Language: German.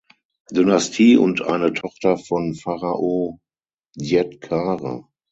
Dynastie und eine Tochter von Pharao Djedkare.